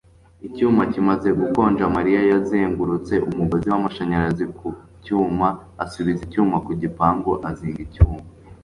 Icyuma kimaze gukonja Mariya yazengurutse umugozi wamashanyarazi ku cyuma asubiza icyuma ku gipangu azinga icyuma